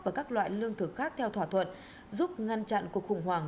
và các loại lương thực khác theo thỏa thuận giúp ngăn chặn cuộc khủng hoảng